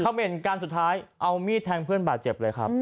เหม็นการสุดท้ายเอามีดแทงเพื่อนบาดเจ็บเลยครับ